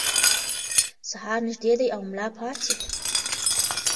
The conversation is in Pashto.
سهار نږدې دی او ملا پاڅېد.